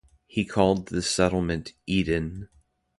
He called the settlement "Eden".